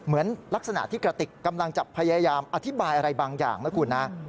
เหมือนลักษณะที่กระติกกำลังจะพยายามอธิบายอะไรบางอย่างนะคุณนะ